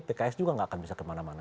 pks juga nggak akan bisa kemana mana